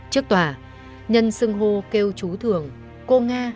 trước tòa nhân sưng hô kêu chú thường cô nga